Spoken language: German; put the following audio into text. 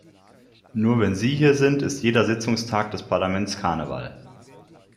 Nur wenn Sie hier sind, ist jeder Sitzungstag des Parlaments Karneval.